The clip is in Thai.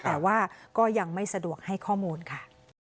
แต่ว่าก็ยังไม่สะดวกให้ข้อมูลค่ะ